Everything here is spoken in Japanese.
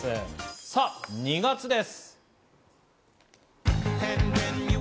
さぁ、２月です。